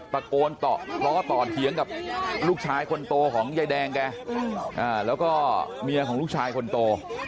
ปรบโรคต่อเถียงกับลูกชายคนโตของแย่แดงแล้วก็เมียของลูกชายคนโต